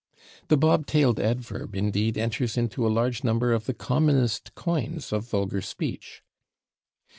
The bob tailed adverb, indeed, enters into a large number of the commonest coins of vulgar speech.